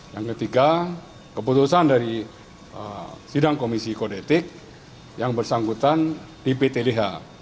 yang ketiga keputusan dari sidang komisi kode etik yang bersangkutan di ptdh